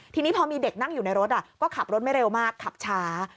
ทีนี้พอมีเด็กนั่งอยู่ในรถก็ขับรถไม่เร็วมากขับช้า